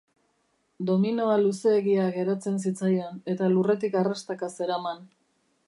Dominoa luzeegia geratzen zitzaion, eta lurretik arrastaka zeraman.